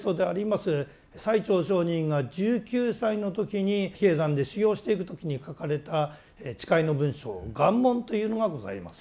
最澄上人が１９歳の時に比叡山で修行していく時に書かれた誓いの文書「願文」というのがございます。